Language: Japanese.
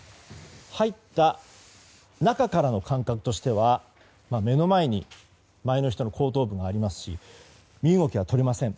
入った中からの感覚としては目の前に前の人の後頭部がありますし身動きは取れません。